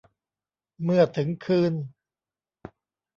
เมื่อถึงคืน